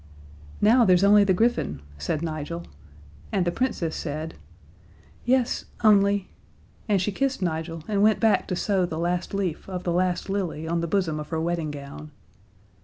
"Now, there's only the griffin," said Nigel. And the Princess said: "Yes only " And she kissed Nigel and went back to sew the last leaf of the last lily on the bosom of her wedding gown.